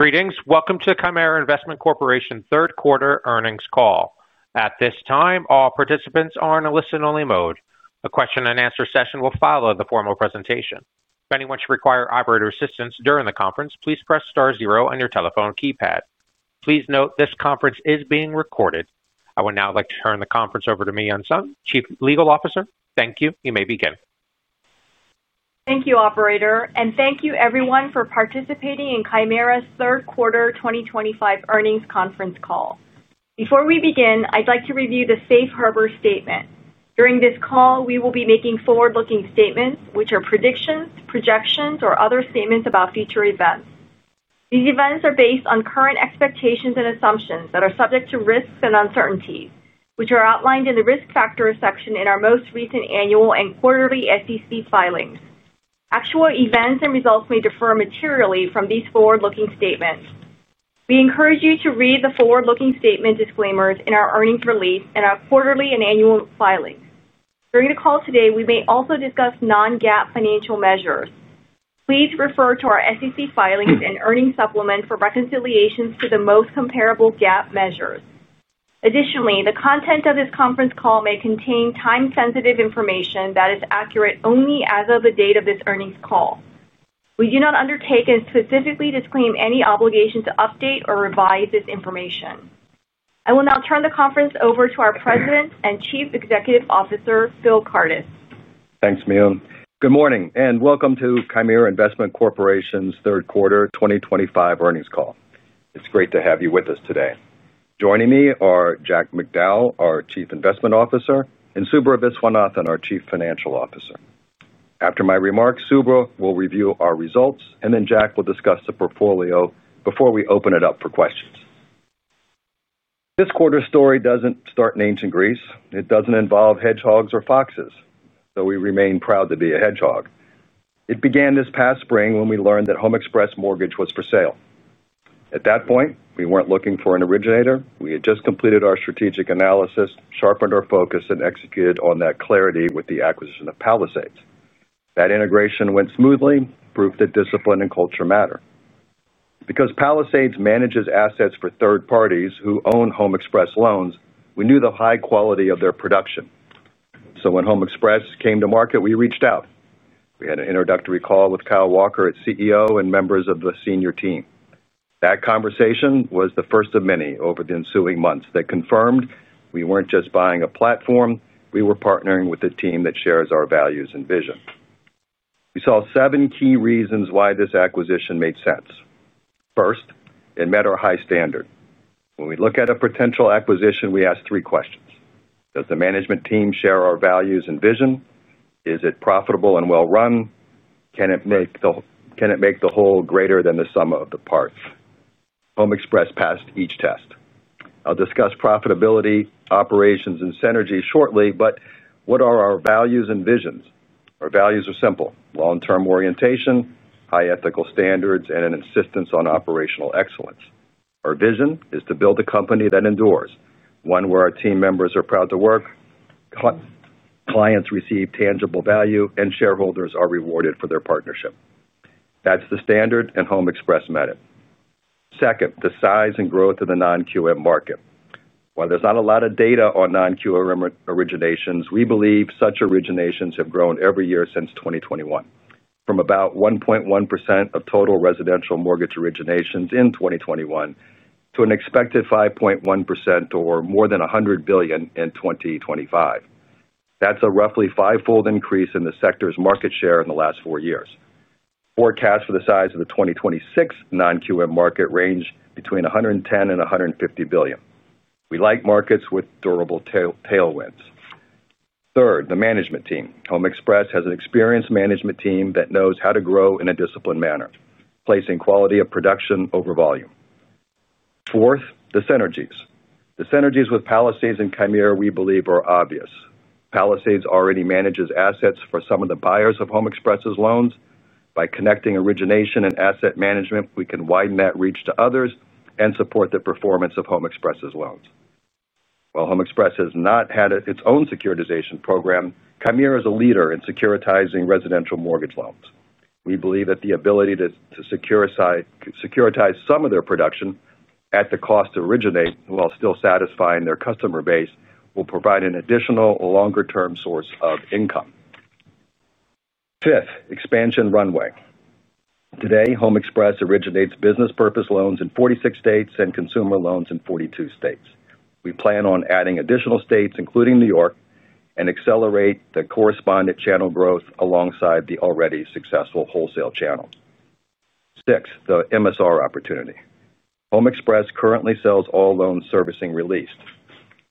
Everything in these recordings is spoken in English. Greetings. Welcome to Chimera Investment Corporation's Third Quarter Earnings Call. At this time, all participants are in a listen-only mode. A question-and-answer session will follow the formal presentation. If anyone should require operator assistance during the conference, please press star zero on your telephone keypad. Please note this conference is being recorded. I would now like to turn the conference over to Miyun Sung, Chief Legal Officer. Thank you. You may begin. Thank you, Operator, and thank you, everyone, for participating in Chimera's Third Quarter 2025 Earnings Conference Call. Before we begin, I'd like to review the Safe Harbor statement. During this call, we will be making forward-looking statements, which are predictions, projections, or other statements about future events. These events are based on current expectations and assumptions that are subject to risks and uncertainties, which are outlined in the risk factors section in our most recent annual and quarterly SEC filings. Actual events and results may differ materially from these forward-looking statements. We encourage you to read the forward-looking statement disclaimers in our earnings release and our quarterly and annual filings. During the call today, we may also discuss non-GAAP financial measures. Please refer to our SEC filings and earnings supplement for reconciliations to the most comparable GAAP measures. Additionally, the content of this conference call may contain time-sensitive information that is accurate only as of the date of this earnings call. We do not undertake and specifically disclaim any obligation to update or revise this information. I will now turn the conference over to our President and Chief Executive Officer, Phil Kardis. Thanks, Miyun. Good morning and welcome to Chimera Investment Corporation's Third Quarter 2025 Earnings Call. It's great to have you with us today. Joining me are Jack Macdowell, our Chief Investment Officer, and Subra Viswanathan, our Chief Financial Officer. After my remarks, Subra will review our results, and then Jack will discuss the portfolio before we open it up for questions. This quarter story doesn't start in ancient Greece. It doesn't involve hedgehogs or foxes, though we remain proud to be a hedgehog. It began this past spring when we learned that HomeXpress Mortgage was for sale. At that point, we weren't looking for an originator. We had just completed our strategic analysis, sharpened our focus, and executed on that clarity with the acquisition of Palisades. That integration went smoothly, proof that discipline and culture matter. Because Palisades manages assets for third parties who own HomeXpress loans, we knew the high quality of their production. When HomeXpress came to market, we reached out. We had an introductory call with Kyle Walker, its CEO, and members of the senior team. That conversation was the first of many over the ensuing months that confirmed we were not just buying a platform; we were partnering with a team that shares our values and vision. We saw seven key reasons why this acquisition made sense. First, it met our high standard. When we look at a potential acquisition, we ask three questions. Does the management team share our values and vision? Is it profitable and well-run? Can it make the whole greater than the sum of the parts? HomeXpress passed each test. I will discuss profitability, operations, and synergy shortly, but what are our values and visions? Our values are simple: long-term orientation, high ethical standards, and an insistence on operational excellence. Our vision is to build a company that endures, one where our team members are proud to work. Clients receive tangible value, and shareholders are rewarded for their partnership. That's the standard, and HomeXpress met it. Second, the size and growth of the Non-QM market. While there's not a lot of data on Non-QM originations, we believe such originations have grown every year since 2021, from about 1.1% of total residential mortgage originations in 2021 to an expected 5.1% or more than $100 billion in 2025. That's a roughly five-fold increase in the sector's market share in the last four years. Forecasts for the size of the 2026 Non-QM market range between $110 billion and $150 billion. We like markets with durable tailwinds. Third, the management team. HomeXpress has an experienced management team that knows how to grow in a disciplined manner, placing quality of production over volume. Fourth, the synergies. The synergies with Palisades and Chimera, we believe, are obvious. Palisades already manages assets for some of the buyers of HomeXpress's loans. By connecting origination and asset management, we can widen that reach to others and support the performance of HomeXpress's loans. While HomeXpress has not had its own securitization program, Chimera is a leader in securitizing residential mortgage loans. We believe that the ability to securitize some of their production at the cost to originate while still satisfying their customer base will provide an additional longer-term source of income. Fifth, expansion runway. Today, HomeXpress originates business purpose loans in 46 states and consumer loans in 42 states. We plan on adding additional states, including New York, and accelerate the correspondent channel growth alongside the already successful wholesale channels. Sixth, the MSR opportunity. HomeXpress currently sells all loans servicing released.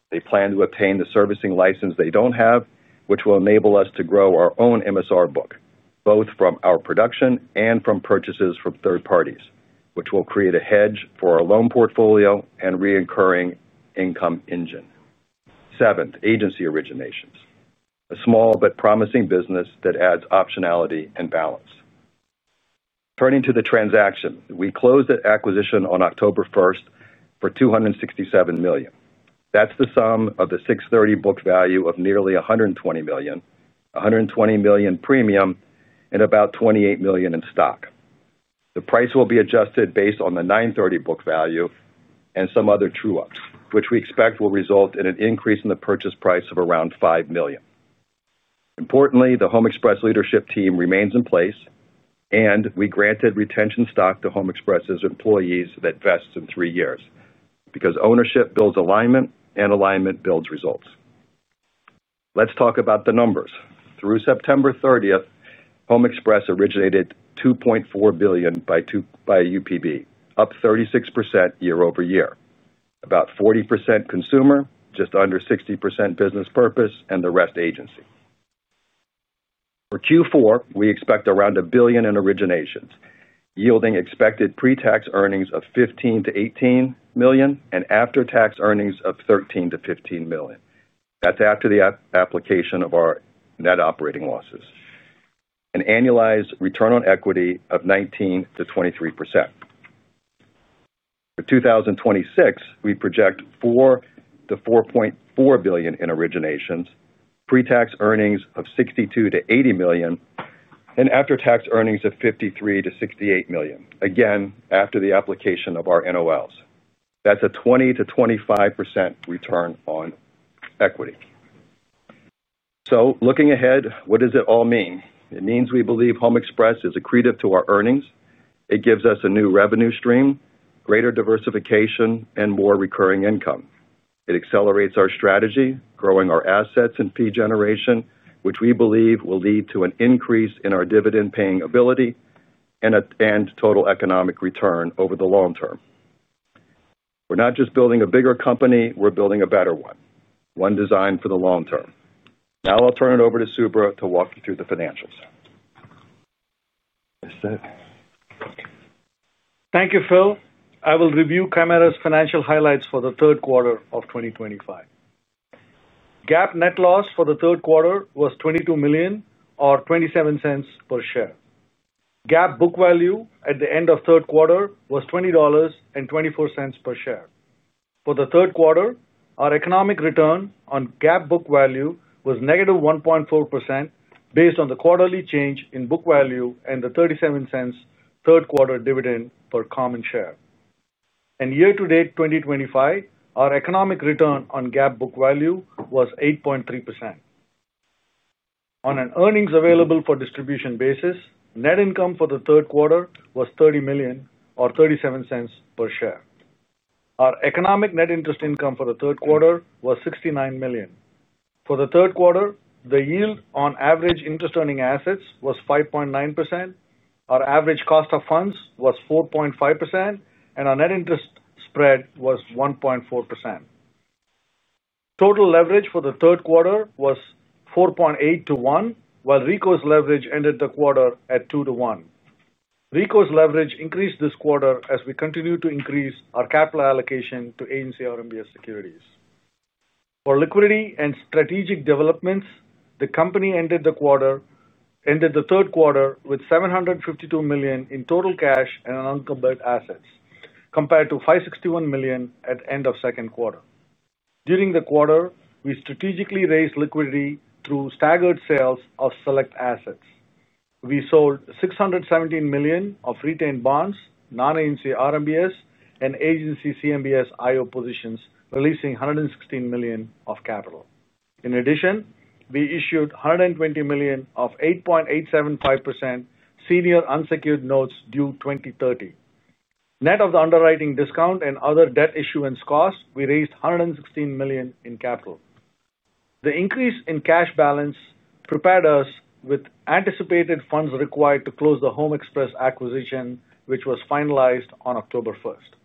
They plan to obtain the servicing license they do not have, which will enable us to grow our own MSR book, both from our production and from purchases from third parties, which will create a hedge for our loan portfolio and recurring income engine. Seventh, agency originations. A small but promising business that adds optionality and balance. Turning to the transaction, we closed the acquisition on October 1st for $267 million. That is the sum of the $630 book value of nearly $120 million, $120 million premium, and about $28 million in stock. The price will be adjusted based on the 9/30 book value and some other true-ups, which we expect will result in an increase in the purchase price of around $5 million. Importantly, the HomeXpress leadership team remains in place, and we granted retention stock to HomeXpress's employees that vests in three years because ownership builds alignment, and alignment builds results. Let's talk about the numbers. Through September 30th, HomeXpress originated $2.4 billion by UPB, up 36% year-over-year. About 40% consumer, just under 60% business purpose, and the rest agency. For Q4, we expect around $1 billion in originations, yielding expected pre-tax earnings of $15 million-$18 million and after-tax earnings of $13 million-$15 million. That's after the application of our net operating losses. An annualized return on equity of 19%-23%. For 2026, we project $4 billion-$4.4 billion in originations, pre-tax earnings of $62 million-$80 million, and after-tax earnings of $53 million-$68 million, again, after the application of our NOLs. That's a 20%-25% return on equity. So, looking ahead, what does it all mean? It means we believe HomeXpress is accretive to our earnings. It gives us a new revenue stream, greater diversification, and more recurring income. It accelerates our strategy, growing our assets and fee generation, which we believe will lead to an increase in our dividend-paying ability and total economic return over the long term. We're not just building a bigger company; we're building a better one, one designed for the long term. Now I'll turn it over to Subra to walk you through the financials. Thank you, Phil. I will review Chimera's financial highlights for the third quarter of 2025. GAAP net loss for the third quarter was $22 million or $0.27 per share. GAAP book value at the end of third quarter was $20.24 per share. For the third quarter, our economic return on GAAP book value was -1.4% based on the quarterly change in book value and the $0.37 third quarter dividend per common share. Year-to-date 2025, our economic return on GAAP book value was 8.3%. On an earnings-available-for-distribution basis, net income for the third quarter was $30 million or $0.37 per share. Our economic net interest income for the third quarter was $69 million. For the third quarter, the yield on average interest-earning assets was 5.9%. Our average cost of funds was 4.5%, and our net interest spread was 1.4%. Total leverage for the third quarter was 4.8x to 1x, while recourse leverage ended the quarter at 2x to 1x. Recourse leverage increased this quarter as we continue to increase our capital allocation to [ANC RMBS] securities. For liquidity and strategic developments, the company ended the third quarter with $752 million in total cash and unencumbered assets, compared to $561 million at the end of second quarter. During the quarter, we strategically raised liquidity through staggered sales of select assets. We sold $617 million of retained bonds, [non-ANC RMBS], and Agency CMBS, IO positions, releasing $116 million of capital. In addition, we issued $120 million of 8.875% senior unsecured notes due 2030. Net of the underwriting discount and other debt issuance costs, we raised $116 million in capital. The increase in cash balance prepared us with anticipated funds required to close the HomeXpress acquisition, which was finalized on October 1st.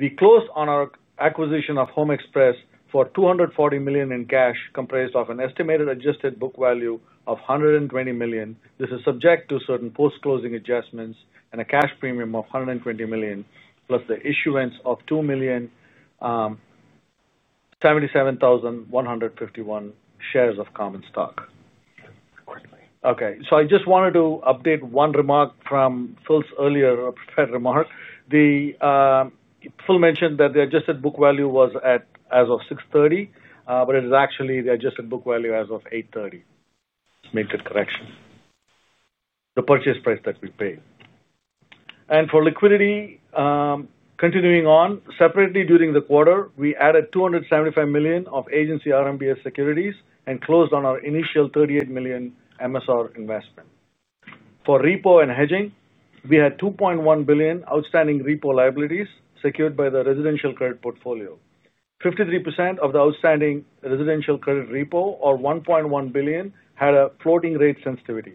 We closed on our acquisition of HomeXpress for $240 million in cash, comprised of an estimated adjusted book value of $120 million. This is subject to certain post-closing adjustments and a cash premium of $120 million, plus the issuance of 277,151 shares of common stock. Okay. I just wanted to update one remark from Phil's earlier remark. Phil mentioned that the adjusted book value was as of 6/30, but it is actually the adjusted book value as of 8/30. Make that correction. The purchase price that we paid. For liquidity, continuing on, separately during the quarter, we added $275 million of Agency RMBS securities and closed on our initial $38 million MSR investment. For repo and hedging, we had $2.1 billion outstanding repo liabilities secured by the residential credit portfolio. 53% of the outstanding residential credit repo, or $1.1 billion, had a floating rate sensitivity.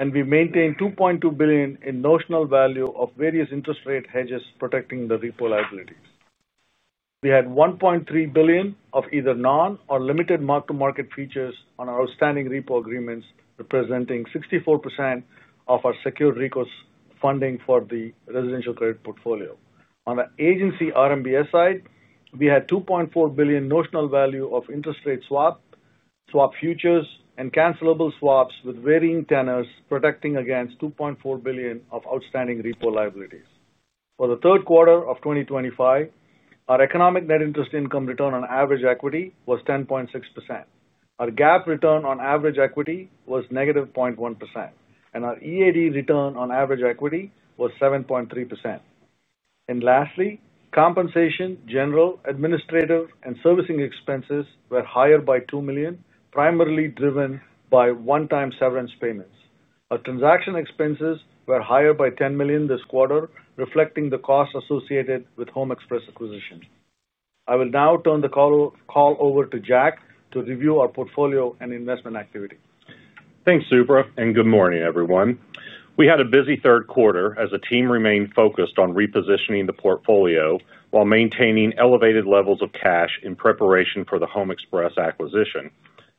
We maintained $2.2 billion in notional value of various interest rate hedges protecting the repo liabilities. We had $1.3 billion of either non or limited mark-to-market features on our outstanding repo agreements, representing 64% of our secured repo funding for the residential credit portfolio. On the Agency RMBS side, we had $2.4 billion notional value of interest rate swap, swap futures, and cancelable swaps with varying tenors, protecting against $2.4 billion of outstanding repo liabilities. For the third quarter of 2025, our economic net interest income return on average equity was 10.6%. Our GAAP return on average equity was -0.1%, and our EAD return on average equity was 7.3%. Lastly, compensation, general, administrative, and servicing expenses were higher by $2 million, primarily driven by one-time severance payments. Our transaction expenses were higher by $10 million this quarter, reflecting the cost associated with HomeXpress acquisition. I will now turn the call over to Jack to review our portfolio and investment activity. Thanks, Subra, and good morning, everyone. We had a busy third quarter as the team remained focused on repositioning the portfolio while maintaining elevated levels of cash in preparation for the HomeXpress acquisition.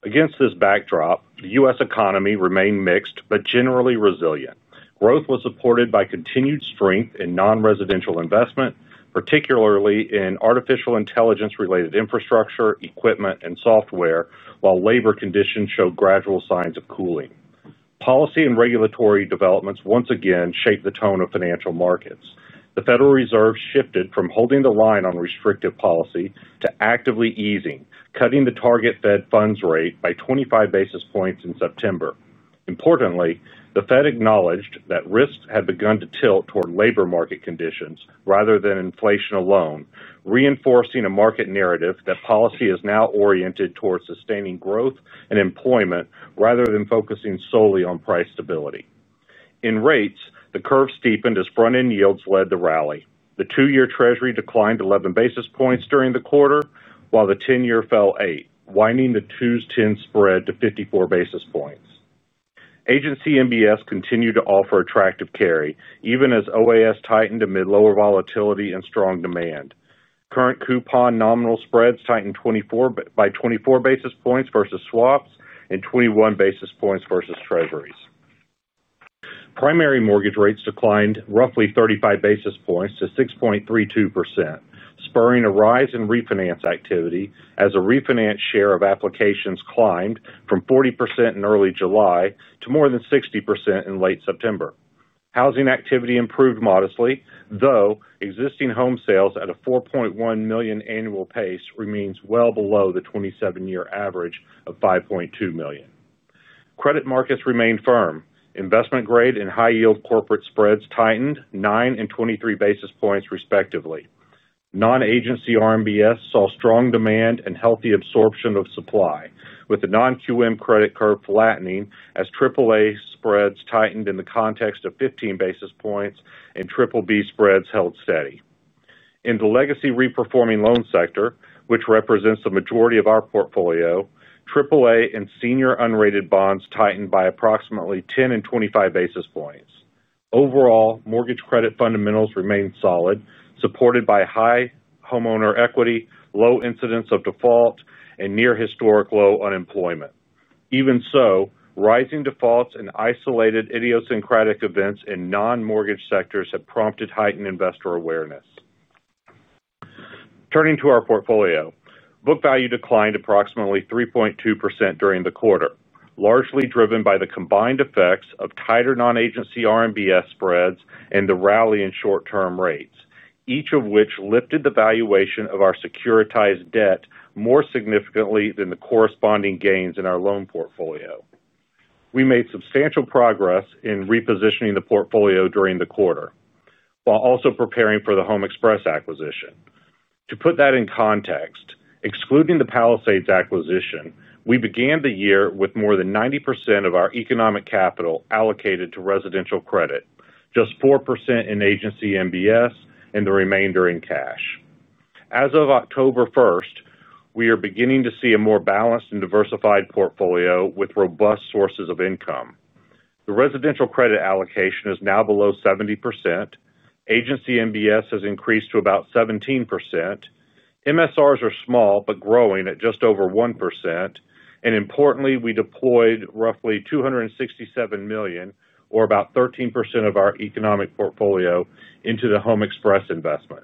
Against this backdrop, the U.S. economy remained mixed but generally resilient. Growth was supported by continued strength in non-residential investment, particularly in artificial intelligence-related infrastructure, equipment, and software, while labor conditions showed gradual signs of cooling. Policy and regulatory developments once again shaped the tone of financial markets. The Federal Reserve shifted from holding the line on restrictive policy to actively easing, cutting the target Fed funds rate by 25 basis points in September. Importantly, the Fed acknowledged that risks had begun to tilt toward labor market conditions rather than inflation alone, reinforcing a market narrative that policy is now oriented toward sustaining growth and employment rather than focusing solely on price stability. In rates, the curve steepened as front-end yields led the rally. The two-year Treasury declined 11 basis points during the quarter, while the 10-year fell 8, winding the 2-10 spread to 54 basis points. Agency MBS continued to offer attractive carry, even as OAS tightened amid lower volatility and strong demand. Current coupon nominal spreads tightened by 24 basis points versus swaps and 21 basis points versus Treasuries. Primary mortgage rates declined roughly 35 basis points to 6.32%, spurring a rise in refinance activity as a refinance share of applications climbed from 40% in early July to more than 60% in late September. Housing activity improved modestly, though existing home sales at a 4.1 million annual pace remains well below the 27-year average of 5.2 million. Credit markets remained firm. Investment-grade and high-yield corporate spreads tightened 9 and 23 basis points respectively. Non-Agency RMBS saw strong demand and healthy absorption of supply, with the Non-QM credit curve flattening as AAA spreads tightened in the context of 15 basis points and BBB spreads held steady. In the legacy reperforming loan sector, which represents the majority of our portfolio, AAA and senior unrated bonds tightened by approximately 10 and 25 basis points. Overall, mortgage credit fundamentals remained solid, supported by high homeowner equity, low incidence of default, and near-historic low unemployment. Even so, rising defaults and isolated idiosyncratic events in non-mortgage sectors have prompted heightened investor awareness. Turning to our portfolio, book value declined approximately 3.2% during the quarter, largely driven by the combined effects of tighter Non-Agency RMBS spreads and the rally in short-term rates, each of which lifted the valuation of our securitized debt more significantly than the corresponding gains in our loan portfolio. We made substantial progress in repositioning the portfolio during the quarter, while also preparing for the HomeXpress acquisition. To put that in context, excluding the Palisades acquisition, we began the year with more than 90% of our economic capital allocated to residential credit, just 4% in Agency MBS, and the remainder in cash. As of October 1st, we are beginning to see a more balanced and diversified portfolio with robust sources of income. The residential credit allocation is now below 70%. Agency MBS has increased to about 17%. MSRs are small but growing at just over 1%. Importantly, we deployed roughly $267 million, or about 13% of our economic portfolio, into the HomeXpress investment.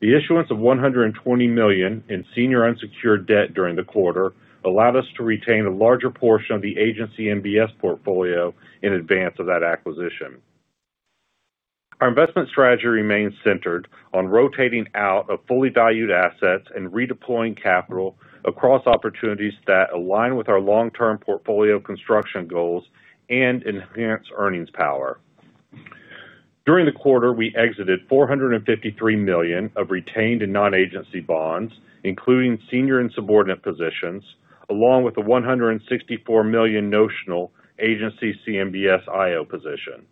The issuance of $120 million in senior unsecured debt during the quarter allowed us to retain a larger portion of the Agency MBS portfolio in advance of that acquisition. Our investment strategy remains centered on rotating out of fully valued assets and redeploying capital across opportunities that align with our long-term portfolio construction goals and enhance earnings power. During the quarter, we exited $453 million of retained and non-agency bonds, including senior and subordinate positions, along with the $164 million notional Agency CMBS IO position.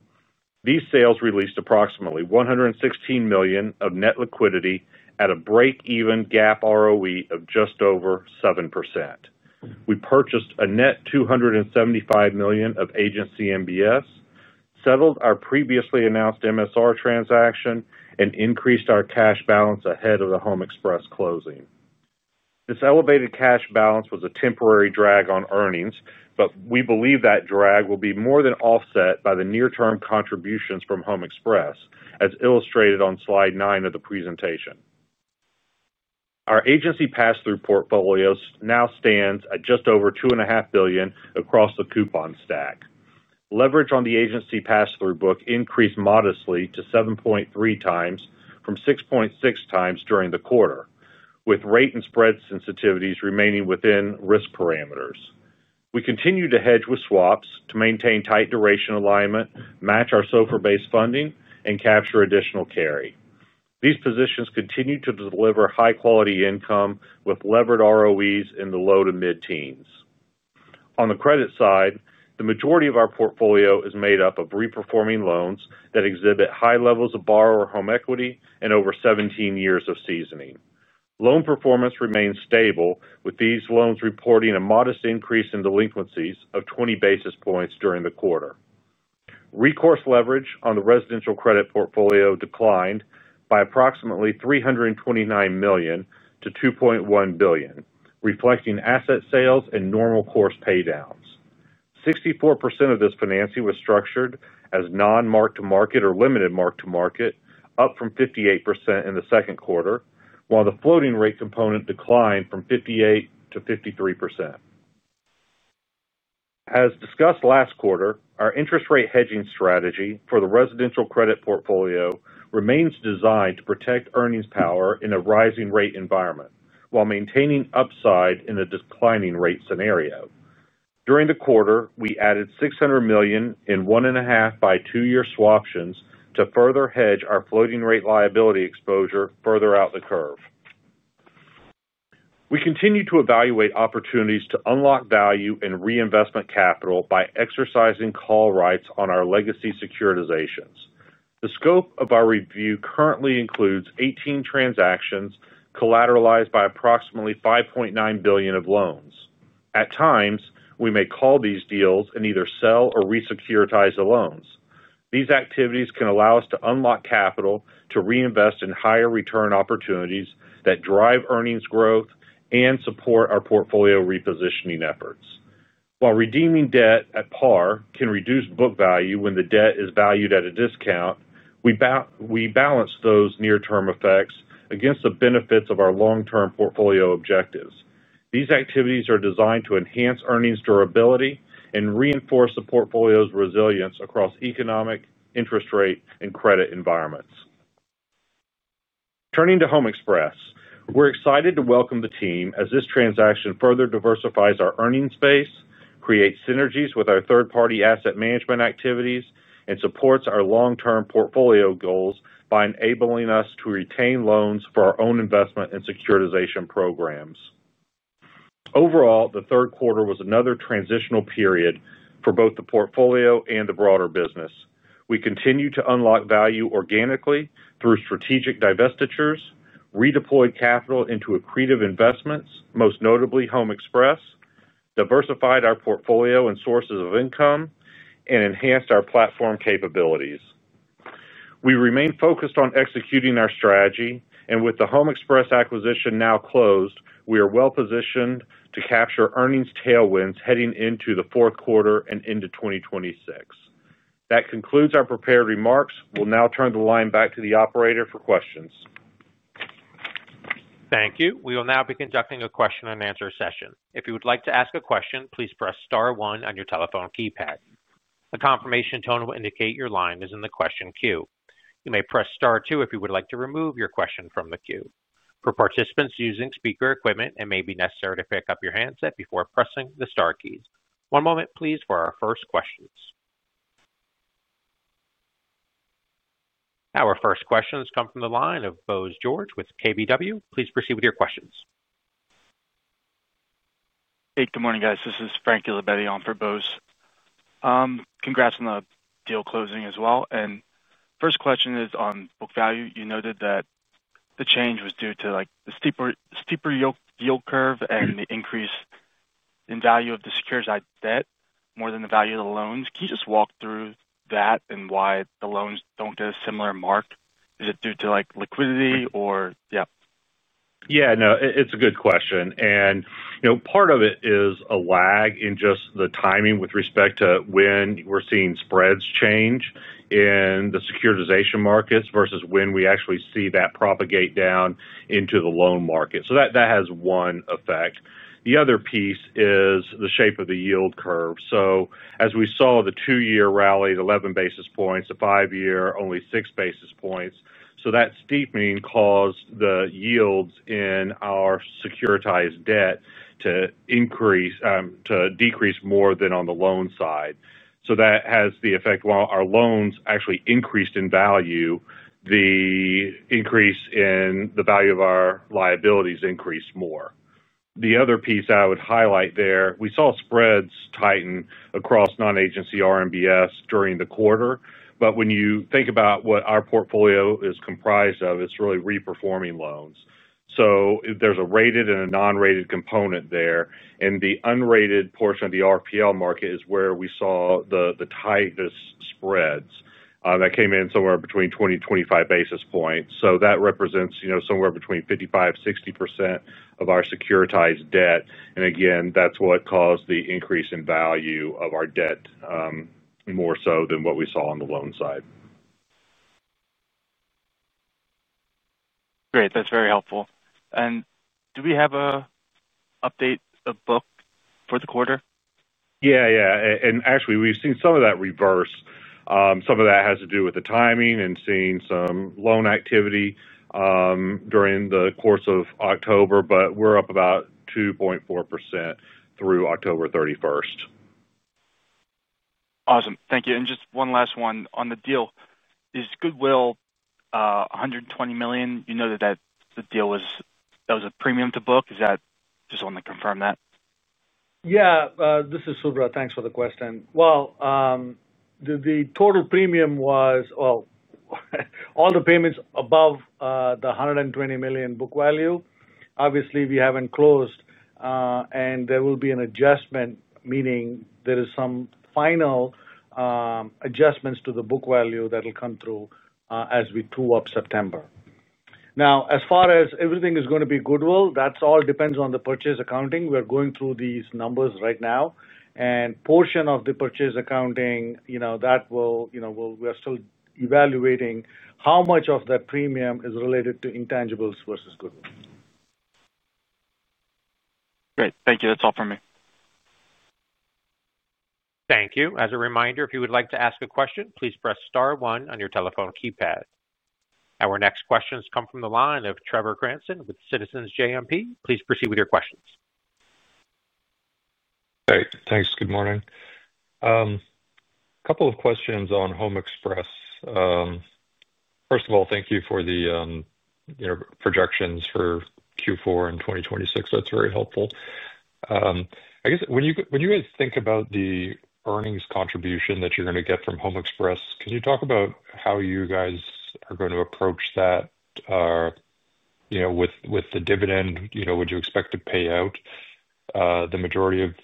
These sales released approximately $116 million of net liquidity at a break-even GAAP ROE of just over 7%. We purchased a net $275 million of Agency MBS, settled our previously announced MSR transaction, and increased our cash balance ahead of the HomeXpress closing. This elevated cash balance was a temporary drag on earnings, but we believe that drag will be more than offset by the near-term contributions from HomeXpress, as illustrated on slide nine of the presentation. Our agency pass-through portfolios now stand at just over $2.5 billion across the coupon stack. Leverage on the agency pass-through book increased modestly to 7.3x from 6.6x during the quarter, with rate and spread sensitivities remaining within risk parameters. We continue to hedge with swaps to maintain tight duration alignment, match our SOFR-based funding, and capture additional carry. These positions continue to deliver high-quality income with levered ROEs in the low to mid-teens. On the credit side, the majority of our portfolio is made up of reperforming loans that exhibit high levels of borrower home equity and over 17 years of seasoning. Loan performance remains stable, with these loans reporting a modest increase in delinquencies of 20 basis points during the quarter. Recourse leverage on the residential credit portfolio declined by approximately $329 million to $2.1 billion, reflecting asset sales and normal course paydowns. 64% of this financing was structured as non-mark-to-market or limited mark-to-market, up from 58% in the second quarter, while the floating rate component declined from 58% to 53%. As discussed last quarter, our interest rate hedging strategy for the residential credit portfolio remains designed to protect earnings power in a rising rate environment while maintaining upside in a declining rate scenario. During the quarter, we added $600 million in 1.5 by two-year swaptions to further hedge our floating rate liability exposure further out the curve. We continue to evaluate opportunities to unlock value and reinvestment capital by exercising call rights on our legacy securitizations. The scope of our review currently includes 18 transactions collateralized by approximately $5.9 billion of loans. At times, we may call these deals and either sell or resecuritize the loans. These activities can allow us to unlock capital to reinvest in higher return opportunities that drive earnings growth and support our portfolio repositioning efforts. While redeeming debt at par can reduce book value when the debt is valued at a discount, we balance those near-term effects against the benefits of our long-term portfolio objectives. These activities are designed to enhance earnings durability and reinforce the portfolio's resilience across economic, interest rate, and credit environments. Turning to HomeXpress, we're excited to welcome the team as this transaction further diversifies our earnings base, creates synergies with our third-party asset management activities, and supports our long-term portfolio goals by enabling us to retain loans for our own investment and securitization programs. Overall, the third quarter was another transitional period for both the portfolio and the broader business. We continue to unlock value organically through strategic divestitures, redeployed capital into accretive investments, most notably HomeXpress, diversified our portfolio and sources of income, and enhanced our platform capabilities. We remain focused on executing our strategy, and with the HomeXpress acquisition now closed, we are well-positioned to capture earnings tailwinds heading into the fourth quarter and into 2026. That concludes our prepared remarks. We will now turn the line back to the operator for questions. Thank you. We will now begin conducting a question-and-answer session. If you would like to ask a question, please press star one on your telephone keypad. A confirmation tone will indicate your line is in the question queue. You may press star two if you would like to remove your question from the queue. For participants using speaker equipment, it may be necessary to pick up your handset before pressing the Star keys. One moment, please, for our first questions. Our first questions come from the line of Bose George with KBW. Please proceed with your questions. Hey, good morning, guys. This is Frank Labetti on for Bose. Congrats on the deal closing as well. First question is on book value. You noted that the change was due to the steeper yield curve and the increase in value of the securitized debt more than the value of the loans. Can you just walk through that and why the loans do not get a similar mark? Is it due to liquidity or, yeah? Yeah, no, it's a good question. Part of it is a lag in just the timing with respect to when we're seeing spreads change in the securitization markets versus when we actually see that propagate down into the loan market. That has one effect. The other piece is the shape of the yield curve. As we saw the two-year rally, 11 basis points, the five-year only 6 basis points. That steepening caused the yields in our securitized debt to decrease more than on the loan side. That has the effect while our loans actually increased in value, the increase in the value of our liabilities increased more. The other piece I would highlight there, we saw spreads tighten across Non-Agency RMBS during the quarter. When you think about what our portfolio is comprised of, it's really reperforming loans. There is a rated and a non-rated component there. The unrated portion of the RPL market is where we saw the tightest spreads that came in somewhere between 20 and 25 basis points. That represents somewhere between 55% and 60% of our securitized debt. That is what caused the increase in value of our debt, more so than what we saw on the loan side. Great. That is very helpful. Do we have an update of book for the quarter? Yeah, yeah. Actually, we've seen some of that reverse. Some of that has to do with the timing and seeing some loan activity during the course of October, but we're up about 2.4% through October 31st. Awesome. Thank you. Just one last one on the deal. Is goodwill $120 million? You noted that the deal was a premium to book. I just want to confirm that? Yeah. This is Subra. Thanks for the question. The total premium was all the payments above the $120 million book value. Obviously, we have not closed. There will be an adjustment, meaning there are some final adjustments to the book value that will come through as we tune up September. Now, as far as everything is going to be goodwill, that all depends on the purchase accounting. We are going through these numbers right now. A portion of the purchase accounting, we are still evaluating how much of that premium is related to intangibles versus goodwill. Great. Thank you. That's all from me. Thank you. As a reminder, if you would like to ask a question, please press star one on your telephone keypad. Our next questions come from the line of Trevor Cranston with Citizens JMP. Please proceed with your questions. Great. Thanks. Good morning. A couple of questions on HomeXpress. First of all, thank you for the projections for Q4 in 2026. That's very helpful. I guess when you guys think about the earnings contribution that you're going to get from HomeXpress, can you talk about how you guys are going to approach that with the dividend? Would you expect to pay out the majority of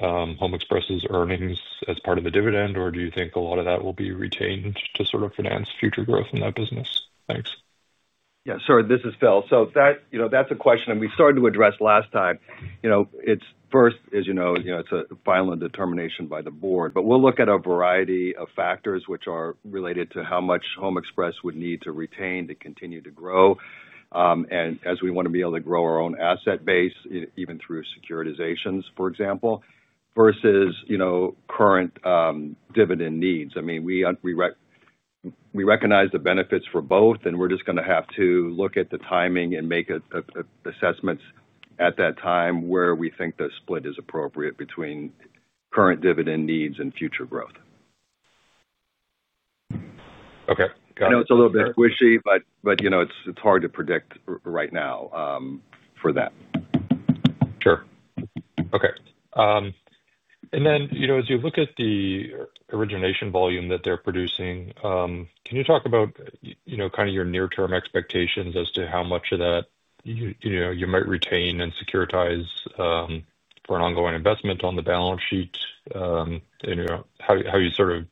HomeXpress's earnings as part of the dividend, or do you think a lot of that will be retained to sort of finance future growth in that business? Thanks. Yeah. Sure. This is Phil. That is a question that we started to address last time. First, as you know, it is a final determination by the board, but we will look at a variety of factors which are related to how much HomeXpress would need to retain to continue to grow. As we want to be able to grow our own asset base, even through securitizations, for example, versus current dividend needs. I mean, we recognize the benefits for both, and we are just going to have to look at the timing and make assessments at that time where we think the split is appropriate between current dividend needs and future growth. Okay. Got it. I know it's a little bit squishy, but it's hard to predict right now for that. Sure. Okay. As you look at the origination volume that they're producing, can you talk about your near-term expectations as to how much of that you might retain and securitize for an ongoing investment on the balance sheet? How do you sort of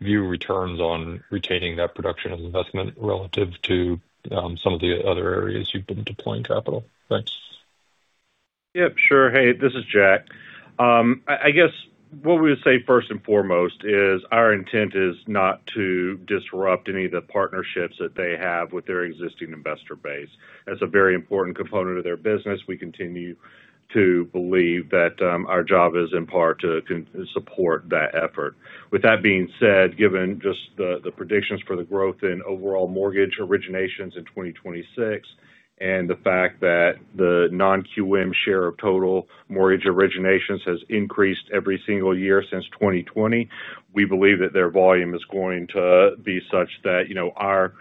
view returns on retaining that production as investment relative to some of the other areas you've been deploying capital? Thanks. Yep. Sure. Hey, this is Jack. I guess what we would say first and foremost is our intent is not to disrupt any of the partnerships that they have with their existing investor base. That is a very important component of their business. We continue to believe that our job is in part to support that effort. With that being said, given just the predictions for the growth in overall mortgage originations in 2026 and the fact that the Non-QM share of total mortgage originations has increased every single year since 2020, we believe that their volume is going to be such that our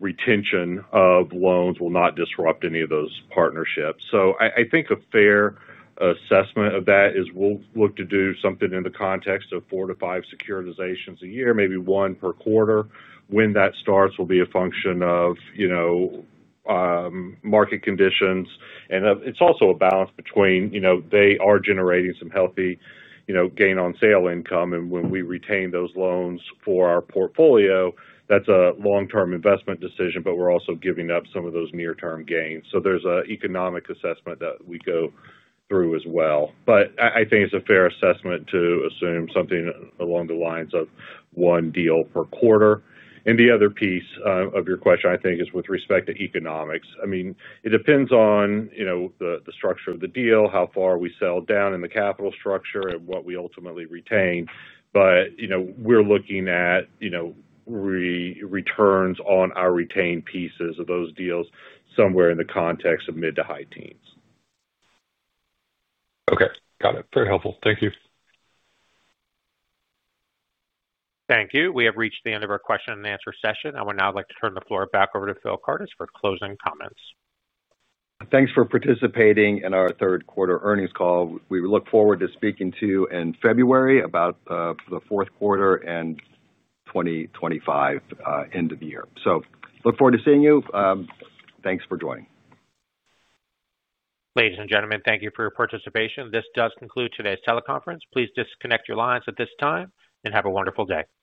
retention of loans will not disrupt any of those partnerships. I think a fair assessment of that is we will look to do something in the context of four to five securitizations a year, maybe one per quarter. When that starts will be a function of. Market conditions. It is also a balance between they are generating some healthy gain on sale income. When we retain those loans for our portfolio, that is a long-term investment decision, but we are also giving up some of those near-term gains. There is an economic assessment that we go through as well. I think it is a fair assessment to assume something along the lines of one deal per quarter. The other piece of your question, I think, is with respect to economics. I mean, it depends on the structure of the deal, how far we sell down in the capital structure, and what we ultimately retain. We are looking at returns on our retained pieces of those deals somewhere in the context of mid to high teens. Okay. Got it. Very helpful. Thank you. Thank you. We have reached the end of our question-and-answer session. I would now like to turn the floor back over to Phil Kardis for closing comments. Thanks for participating in our third quarter earnings call. We look forward to speaking to you in February about the fourth quarter and 2025 end of the year. Look forward to seeing you. Thanks for joining. Ladies and gentlemen, thank you for your participation. This does conclude today's teleconference. Please disconnect your lines at this time and have a wonderful day.